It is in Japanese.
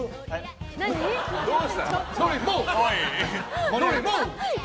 どうした？